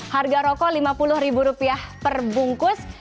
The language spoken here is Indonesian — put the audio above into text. harga rokok rp lima puluh perbungkus